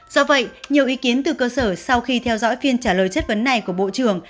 do vậy nhiều ý kiến từ cơ sở sau khi theo dõi phiên trả lời chất vấn này của bộ trưởng